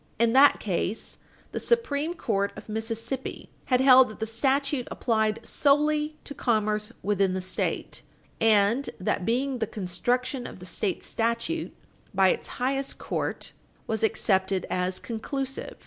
In that case, the Supreme Court of Mississippi, 66 Mississippi 662, had held that the statute applied solely to commerce within the State, and that, being the construction of the state statute by its highest court, was accepted as conclusive.